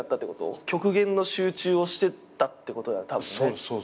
極限の集中をしてたってことだたぶんね。